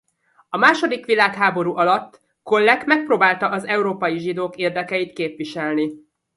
A második világháború alatt Kollek megpróbálta az európai zsidók érdekeit képviselni.